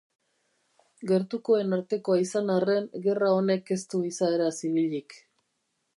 Gertukoen artekoa izan arren gerra honek ez du izaera zibilik.